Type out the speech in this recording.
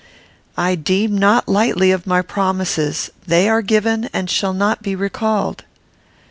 I deem not lightly of my promises. They are given, and shall not be recalled.